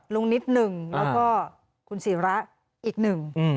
นิดหนึ่งแล้วก็คุณศิระอีกหนึ่ง